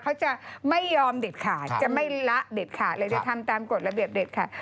เขาจะไม่ยอมเด็ดขาดจะไม่ละเด็ดขาดเลยจะทำตามกฎระเบียบเด็ดขาด